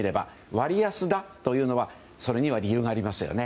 割安だというのはそれには理由がありますよね。